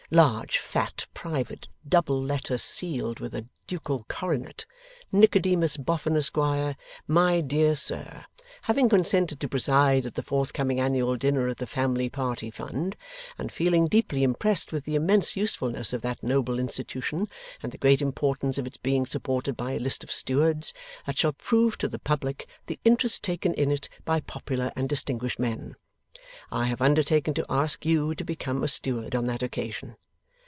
Large fat private double letter, sealed with ducal coronet. 'Nicodemus Boffin, Esquire. My Dear Sir, Having consented to preside at the forthcoming Annual Dinner of the Family Party Fund, and feeling deeply impressed with the immense usefulness of that noble Institution and the great importance of its being supported by a List of Stewards that shall prove to the public the interest taken in it by popular and distinguished men, I have undertaken to ask you to become a Steward on that occasion.